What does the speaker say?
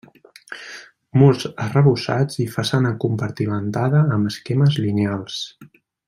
Murs arrebossats i façana compartimentada amb esquemes lineals.